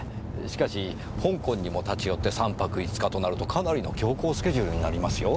しかし香港にも立ち寄って３泊５日となるとかなりの強行スケジュールになりますよ。